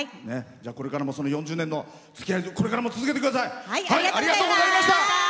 これからも４０年のつきあい続けてください。